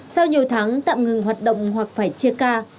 sau nhiều tháng tạm ngừng hoạt động hoặc phải chia ca